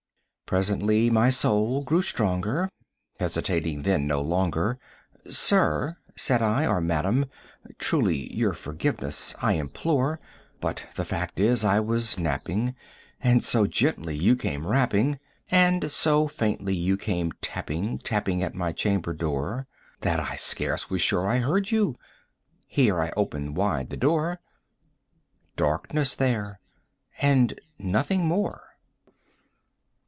Presently my soul grew stronger; hesitating then no longer, "Sir," said I, "or Madam, truly your forgiveness I implore; 20 But the fact is I was napping, and so gently you came rapping, And so faintly you came tapping, tapping at my chamber door, That I scarce was sure I heard you" here I opened wide the door: Darkness there and nothing more.